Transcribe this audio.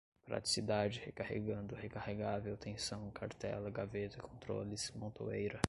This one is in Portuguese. praticidade, recarregando, recarregável, tensão, cartela, gaveta, controles, montoeira